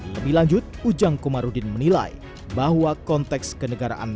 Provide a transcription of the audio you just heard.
lebih lanjut ujang komarudin menilai bahwa konteks kenegaraan